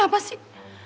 tapi kenapa sih